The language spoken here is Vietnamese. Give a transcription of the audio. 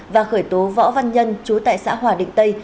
và khởi tố võ văn nhân chú tại xã hòa định tây